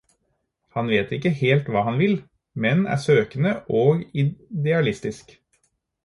Han vet ikke helt hva han vil, men er søkende og idealistisk.